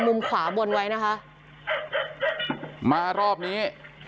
มุมขวาบนไว้นะคะมารอบนี้